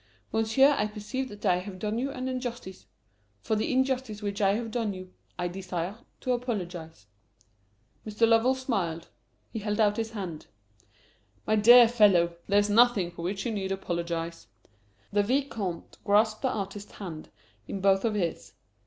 Monsieur, I perceive that I have done you an injustice. For the injustice which I have done you I desire to apologize." Mr. Lovell smiled. He held out his hand. "My dear fellow! There's nothing for which you need apologize." The Vicomte grasped the artist's hand in both of his.